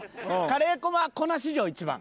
カレー粉は粉史上一番。